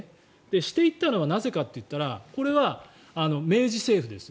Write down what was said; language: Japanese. していったのはなぜかといったらこれは明治政府ですよ。